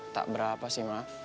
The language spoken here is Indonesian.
tak berapa sih mak